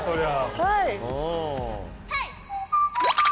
はい。